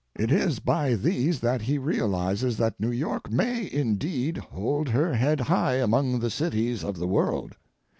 It is by these that he realizes that New York may, indeed, hold her head high among the cities of the world.